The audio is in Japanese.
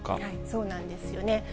そうなんですよね。